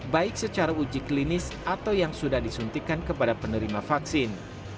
baik secara uji klinis atau yang sudah disuntikan kepada penerima vaksin